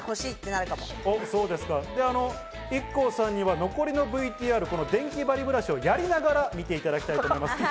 ＩＫＫＯさんには残りのＶＴＲ、デンキバリブラシをやりながら見ていただきたいと思います。